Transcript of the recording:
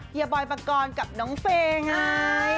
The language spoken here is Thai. เยียบอยปากกรกับน้องเฟย์ไง